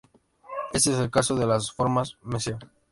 Este es el caso de las formas "meso".